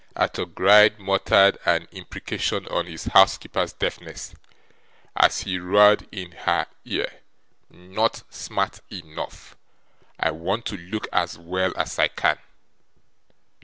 Arthur Gride muttered an imprecation on his housekeeper's deafness, as he roared in her ear: 'Not smart enough! I want to look as well as I can.